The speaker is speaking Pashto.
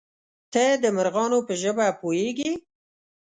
_ته د مرغانو په ژبه پوهېږې؟